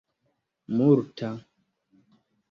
multa